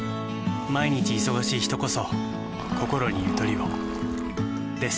毎日忙しい人こそこころにゆとりをです。